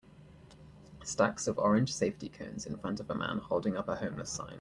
Stacks of orange safety cones in front of a man holding up a homeless sign.